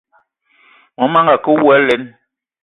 Mon manga a ke awou alen!